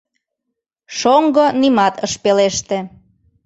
Шоҥго нимат ыш пелеште.